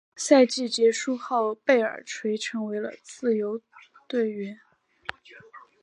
赛季结束后贝尔垂成为自由球员。